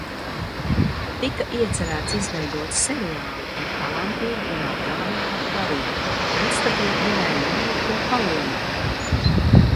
Tika iecerēts izveidot seriālu ar talantīgu un apdāvinātu varoni, pretstatot viņai neveiklo palīgu.